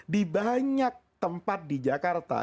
di banyak tempat di jakarta